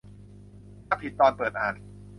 ถ้าผิดตอนเปิดอ่าน